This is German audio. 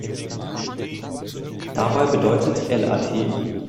Dabei bedeutet lat.